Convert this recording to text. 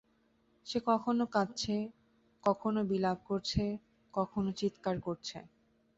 সে কখনও কাঁদছে, কখনও বিলাপ করছে, কখনও চীৎকার করছে।